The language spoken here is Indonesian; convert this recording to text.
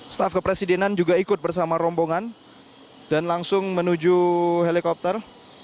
staff ke presidenan juga ikut bersama rombongan dan langsung menuju helikopter